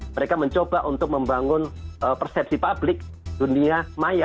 mereka mencoba untuk membangun persepsi publik dunia maya